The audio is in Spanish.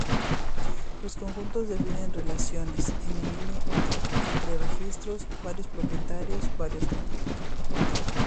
Los conjuntos definen relaciones N:N entre registros: varios propietarios, varios miembros.